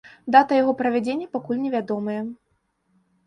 Дата яго правядзення пакуль невядомая.